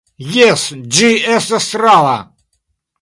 Jes, ĝi estas rava!